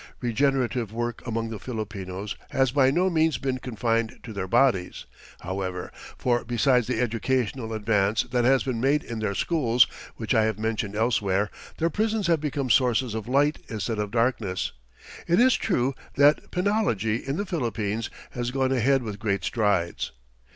Regenerative work among the Filipinos has by no means been confined to their bodies, however, for besides the educational advance that has been made in their schools, which I have mentioned elsewhere, their prisons have become sources of light instead of darkness. It is true that penology in the Philippines has gone ahead with great strides.